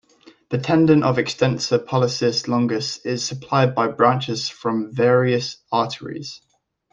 The tendon of extensor pollicis longus is supplied by branches from various arteries.